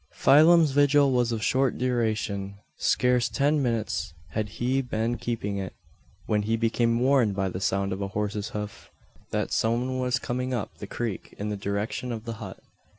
Phelim's vigil was of short duration. Scarce ten minutes had he been keeping it, when he became warned by the sound of a horse's hoof, that some one was coming up the creek in the direction of the hut.